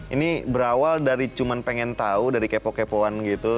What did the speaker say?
ini berawal dari cuma pengen tahu dari kepo kepoan gitu